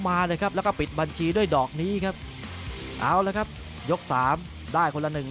มาเลยครับแล้วก็ปิดบัญชีด้วยดอกนี้ครับเอาละครับยกสามได้คนละหนึ่ง